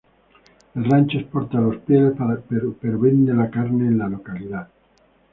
El rancho exporta las pieles, pero vende la carne en la localidad.